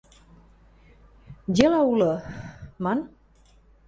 Дела улы, ман...